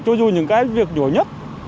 cho dù những cái việc nhỏ nhất